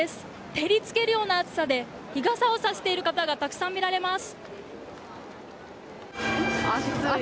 照りつけるような暑さで日傘をさしている方がたくさん見られます。